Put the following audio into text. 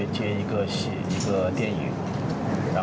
ต่อไปก็จะมีผลงาน